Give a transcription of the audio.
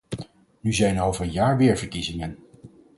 Nu zijn er over een jaar weer verkiezingen.